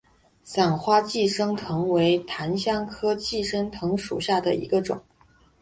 伞花寄生藤为檀香科寄生藤属下的一个种。